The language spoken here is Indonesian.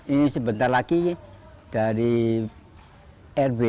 ini sebentar lagi dari rw